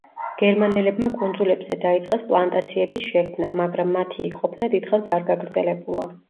გერმანელებმა კუნძულებზე დაიწყეს პლანტაციების შექმნა, მაგრამ მათი იქ ყოფნა დიდხანს არ გაგრძელებულა.